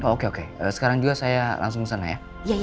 oke oke sekarang juga saya langsung ke sana ya